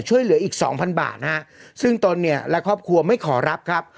ช่วยเหลืออีกสองพันบาทนะฮะซึ่งตนเนี่ยและครอบครัวไม่ขอรับครับ